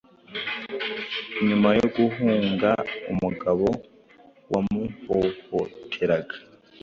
nyuma yo guhunga umugabo wamuhohoteraga